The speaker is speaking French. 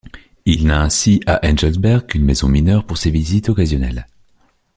Il n'a ainsi à Engelsberg qu'une maison mineure pour ses visites occasionnelles.